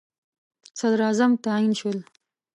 صدراعظم تعیین شول.